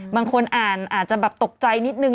บางคนอ่านอาจจะแบบตกใจนิดนึง